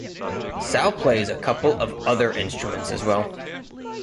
Sal plays a couple of other instruments as well.